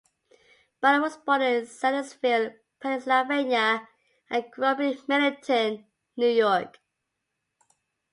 Brunner was born in Sellersville, Pennsylvania, and grew up in Middletown, New York.